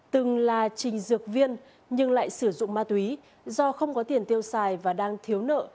từng là trình dược viên nhưng lại sử dụng ma túy do không có tiền tiêu xài và đang thiếu nợ